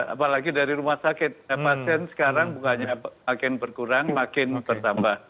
apalagi dari rumah sakit pasien sekarang bukannya makin berkurang makin bertambah